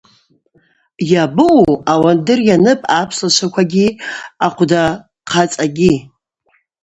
Йабаъу? –Ауандыр йаныпӏ апслачваквагьи, ахъвдахъацӏагьи.